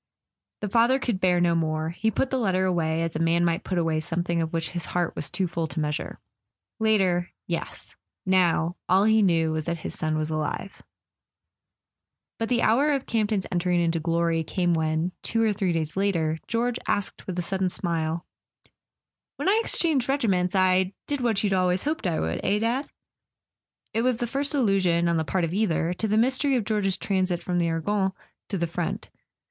The father could bear no more; he put the letter away, as a man might put away something of which his heart was too full to measure it. Later—yes; now, all he knew was that his son was alive. But the hour of Campton's entering into glory came when, two or three days later, George asked with a sudden smile: "When I exchanged regiments I did what you'd always hoped I would, eh, Dad?" It was the first allusion, on the part of either, to the mystery of George's transit from the Argonne to the front.